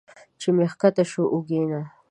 چې مې ښکته شو اوږې نه